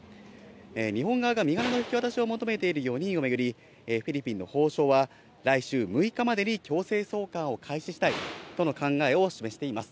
日本側が身柄の引き渡しを求めている４人を巡り、フィリピンの法相は、来週６日までに強制送還を開始したいとの考えを示しています。